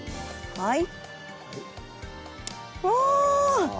はい。